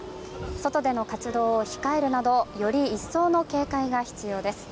外での活動を控えるなどより一層の警戒が必要です。